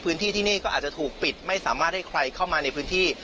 พื้นที่ที่นี่ก็อาจจะถูกปิดไม่สามารถให้ใครเข้ามาในพื้นที่